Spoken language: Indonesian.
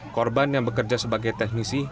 korban yang bekerja sebagai teknisi